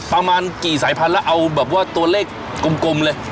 ประมาณกี่สายพันธุ์แล้วเอาแบบว่าตัวเลขกลมเลย